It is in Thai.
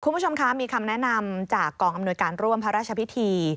คุณผู้ชมคะมีคำแนะนำจากกองอำนวยการร่วมพระราชพิธี